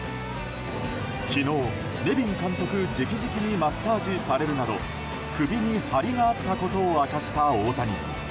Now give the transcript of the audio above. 昨日、ネビン監督直々にマッサージされるなど首に張りがあったことを明かした大谷。